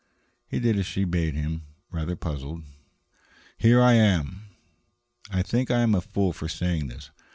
He did as she bade him, rather puzzled. "Here I am." "I think I am a fool for saying this.